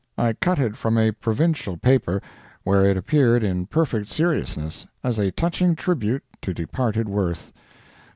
I cut it from a Provincial paper, where it appeared in perfect seriousness, as a touching tribute to departed worth."